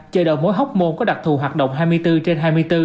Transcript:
chợ đầu mối hóc môn có đặc thù hoạt động hai mươi bốn trên hai mươi bốn